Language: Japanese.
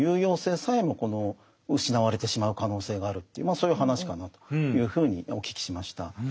そういう話かなというふうにお聞きしました。